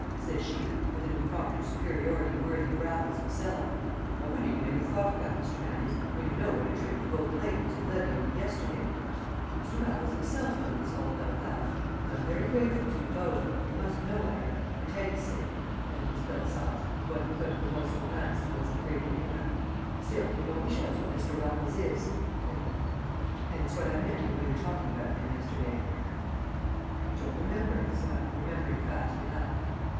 says she, with an impromptu superiority worthy of Raffles himself. "I wonder you never thought of that, Mr. Manders, when you know what a trick you both played Mr. Levy only yesterday. Mr. Raffles himself told us all about that; and I'm very grateful to you both; you must know I am for Teddy's sake," added Miss Belsize, with one quick remorseful glance towards the great arena. "Still it only shows what Mr. Raffles is and and it's what I meant when we were talking about him yesterday." "I don't remember," said I, remembering fast enough.